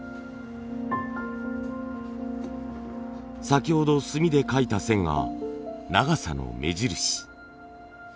先ほど墨で書いた線が長さの目印。